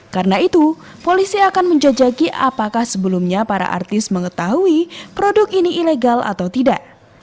karena itu polisi akan menjajaki apakah sebelumnya para artis mengetahui produk ini ilegal atau tidak